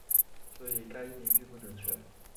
所以该译名并不准确。